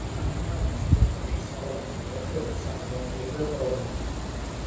სკანდინავიის ქვეყნებში სავალუტო ერთეულს წარმოადგენდა კრონი.